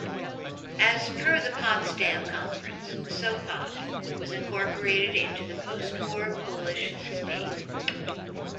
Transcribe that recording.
As per the Potsdam Conference, Sopot was incorporated into the post-war Polish state.